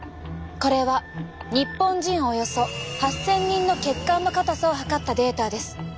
これは日本人およそ８，０００人の血管の硬さを測ったデータです。